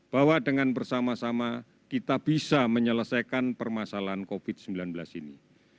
bahwa dengan bersama sama kita bisa menyelesaikan permasalahan covid sembilan belas ini